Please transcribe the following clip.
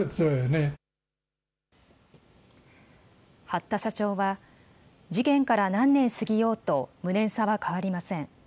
八田社長は事件から何年過ぎようと無念さは変わりません。